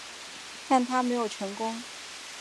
但它没有成功。